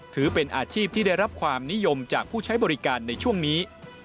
ถือเป็นอาชีพที่ได้รับความนิยมจากผู้ใช้บริการในช่วงนี้